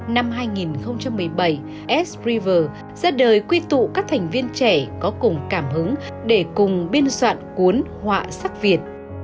năm hai nghìn một mươi bảy s river ra đời quy tụ các thành viên trẻ có cùng cảm hứng để cùng biên soạn cuốn họa sắc việt